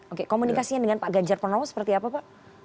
oke komunikasinya dengan pak ganjar pranowo seperti apa pak